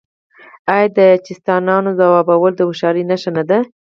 آیا د چیستانونو ځوابول د هوښیارۍ نښه نه ده؟